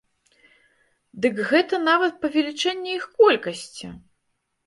Дык гэта нават павелічэнне іх колькасці!